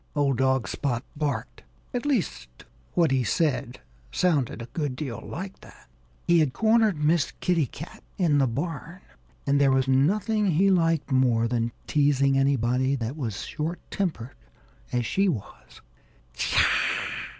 old dog Spot barked. At least, what he said sounded a good deal like that. He had cornered Miss Kitty Cat in the barn. And there was nothing he liked more than teasing anybody that was short tempered as she was.